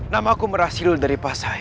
nama aku berhasil dari pasai